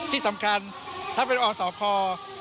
ที่สำคัญถ้าเป็นอสค